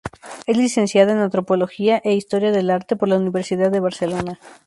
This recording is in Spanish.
Es licenciada en Antropología e Historia del Arte por la Universidad de Barcelona.